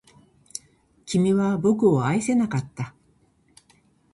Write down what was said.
君は僕を愛せなかった